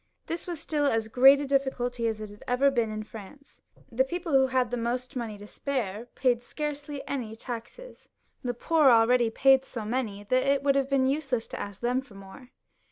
This was stiU as great a difficulty as it always had been in France. The people who had most money to spare paid scarcely any taxes ; the poor people already paid so many, that it would have been useless to ask them for more.